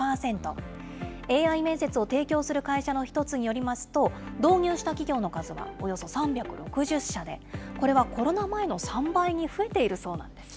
ＡＩ面接を提供する会社の１つによりますと、導入した企業の数はおよそ３６０社で、これはコロナ前の３倍に増えているそうなんです。